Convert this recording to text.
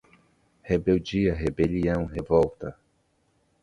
Rebeldia, rebelião, revolta